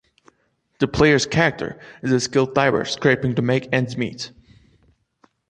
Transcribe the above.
The player's character is a skilled diver scraping to make ends meet.